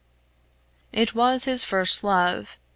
It was his first love.